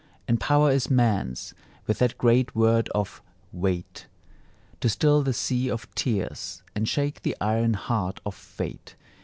And power is man's, With that great word of "wait," To still the sea of tears, And shake the iron heart of Fate.